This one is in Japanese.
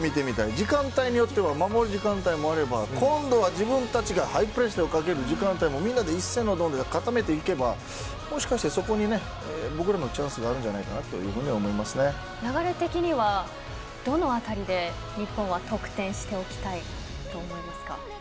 時間帯によっては守る時間帯もあれば今度は自分たちがハイプレスをかける時間帯もみんなで一斉にどんどん固めていけばもしかしたらそこに僕らのチャンスが流れ的には、どのあたりで日本は得点しておきたいと思いますか。